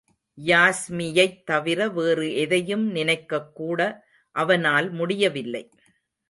யாஸ்மியைத் தவிர வேறு எதையும் நினைக்கக்கூட அவனால் முடியவில்லை.